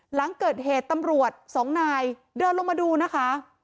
หลังเกิดเหตุตำรวจสองนายเดินลงมาดูนะคะ